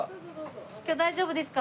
今日大丈夫ですか？